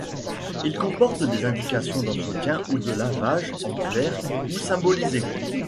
Il comporte des indications d’entretien ou de lavage en clair ou symbolisées.